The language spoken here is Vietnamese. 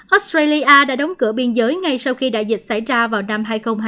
australia đã đóng cửa biên giới ngay sau khi đại dịch xảy ra vào năm hai nghìn hai mươi